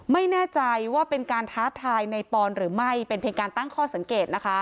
ไม่แน่ใจว่าเป็นการท้าทายในปอนหรือไม่เป็นเพียงการตั้งข้อสังเกตนะคะ